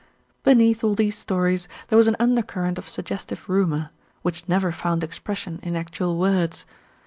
Beneath all these stories, there was an undercurrent of suggestive rumour, which never found expression in actual words.